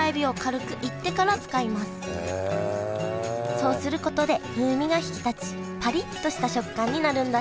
そうすることで風味が引き立ちパリッとした食感になるんだ